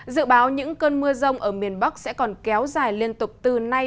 dự báo những cơn mưa rông ở miền bắc sẽ còn kéo dài liên tục từ nay